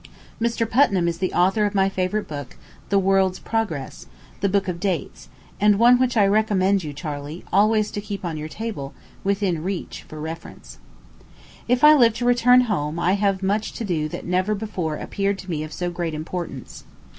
Mr. Putnam is the author of my favorite book, "The World's Progress," the book of dates, and one which I recommend you, Charley, always to keep on your table, within reach, for reference. If I live to return home, I have much to do that never before appeared to me of so great importance.